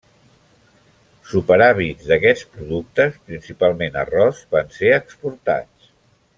Superàvits d'aquests productes, principalment arròs, van ser exportats.